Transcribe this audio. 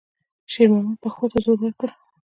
شېرمحمد پښو ته زور ورکړ.